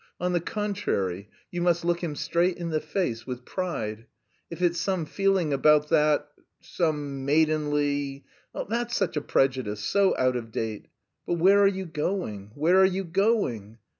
On the contrary, you must look him straight in the face, with pride.... If it's some feeling about that... some maidenly... that's such a prejudice, so out of date... But where are you going? Where are you going?